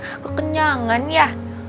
aku kenyangan ya